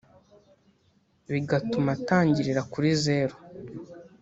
bigatuma atangirira kuri zeru